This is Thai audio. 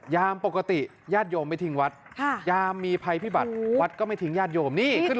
ปกติญาติโยมไม่ทิ้งวัดยามมีภัยพิบัตรวัดก็ไม่ทิ้งญาติโยมนี่ขึ้น